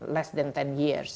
lebih dari sepuluh tahun